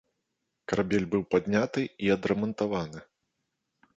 Карабель быў падняты і адрамантаваны.